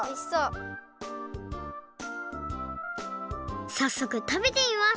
さっそくたべてみます！